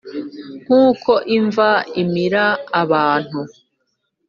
nk’uko imva imira abantu